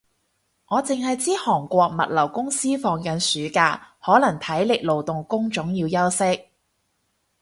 我剩係知韓國物流公司放緊暑假，可能體力勞動工種要休息